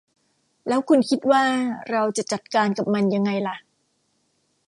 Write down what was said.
แล้วคุณคิดว่าเราจะจัดการกับมันยังไงล่ะ